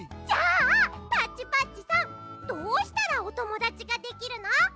じゃあタッチパッチさんどうしたらおともだちができるの？